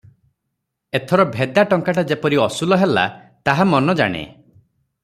ଏଥର ଭେଦା ଟଙ୍କାଟା ଯେପରି ଅସୁଲ ହେଲା, ତାହା ମନ ଜାଣେ ।